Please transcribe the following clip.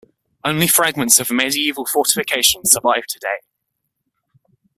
Only fragments of the medieval fortifications survive today.